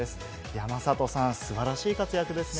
山里さん、素晴らしい活躍ですね。